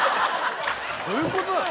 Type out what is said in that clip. どういうことなの？